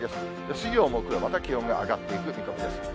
水曜、木曜、また気温が上がっていく見込みです。